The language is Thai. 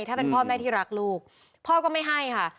ถ้าเป็นพ่อแม่ที่รักลูกพ่อก็ไม่ให้ค่ะ